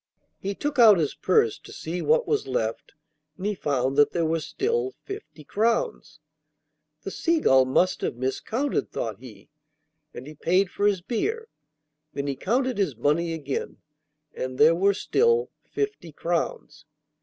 He took out his purse to see what was left, and he found that there were still fifty crowns. 'The Seagull must have miscounted,' thought he, and he paid for his beer. Then he counted his money again, and there were still fifty crowns.